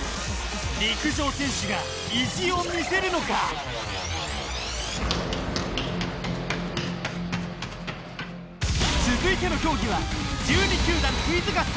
陸上選手が意地を見せるのか続いての競技は１２球団クイズ合戦！